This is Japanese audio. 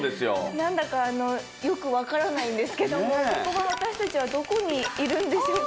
何だかよく分からないんですけども私たちはどこにいるんでしょうか。